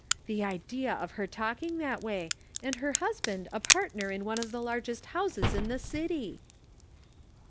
The idea of her talking that way, and her husband a partner in one of the largest houses in the city!"